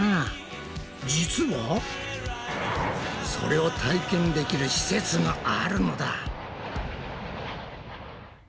実はそれを体験できる施設があるのだ。